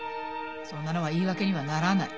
そんなのは言い訳にはならない。